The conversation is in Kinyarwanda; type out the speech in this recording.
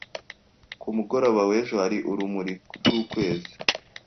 Ku mugoroba w'ejo hari urumuri rw'ukwezi.